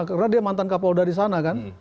karena dia mantan kapolda di sana kan